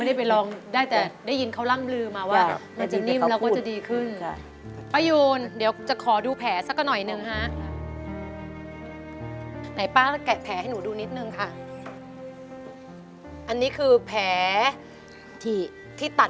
ยังไม่ได้ไปลองได้เดี๋ยวได้ยินเขาร่างมือมาว่า